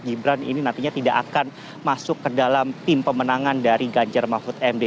gibran ini nantinya tidak akan masuk ke dalam tim pemenangan dari ganjar mahfud md